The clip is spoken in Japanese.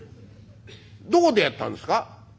「どこでやったんですか？」。